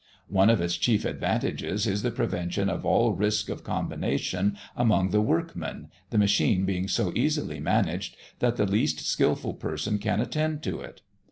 One of its chief advantages is the prevention of all risk of combination among the workmen, the machine being so easily managed that the least skilful person can attend to it.